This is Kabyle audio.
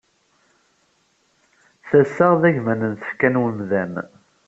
Tasa d agman n tfekka n wemdan.